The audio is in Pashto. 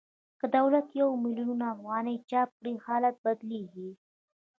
که دولت یو میلیون افغانۍ چاپ کړي حالت بدلېږي